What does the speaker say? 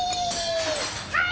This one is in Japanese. はい。